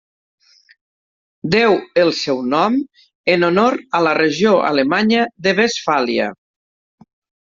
Deu el seu nom en honor a la regió alemanya de Westfàlia.